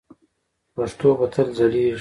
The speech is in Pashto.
پښتو به تل ځلیږي.